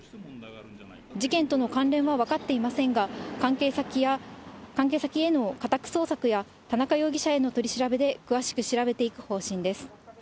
事件との関連は分かっていませんが、関係先への家宅捜索や田中容疑者への取り調べで詳しく調べていく方針です。